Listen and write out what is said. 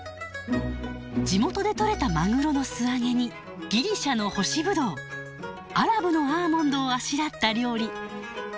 地元で取れたマグロの素揚げにギリシャの干しぶどうアラブのアーモンドをあしらった料理。